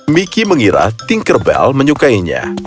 mickey mengira tinkerbell menyukainya